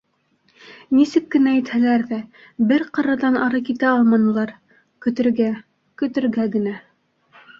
Нисек кенә итһәләр ҙә, бер ҡарарҙан ары китә алманылар: көтөргә, көтөргә генә.